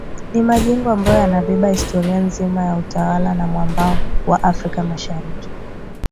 Ni majengo ambayo yanabeba historia nzima ya tawala za mwambao wa Afrika mashariki